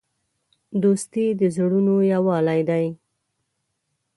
دوستي د زړونو یووالی دی.